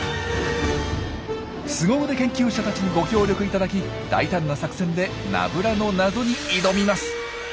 スゴ腕研究者たちにご協力いただき大胆な作戦でナブラの謎に挑みます。